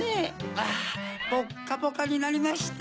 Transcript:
あポッカポカになりました。